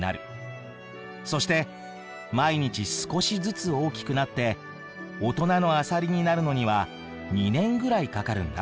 そして毎日少しずつ大きくなって大人のアサリになるのには２年ぐらいかかるんだ。